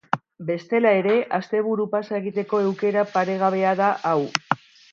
Bestela ere, asteburu-pasa egiteko eukera paregabea da hau.